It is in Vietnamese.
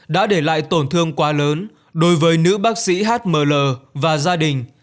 đã để lại tổn thương quá lớn đối với nữ bác sĩ hml và gia đình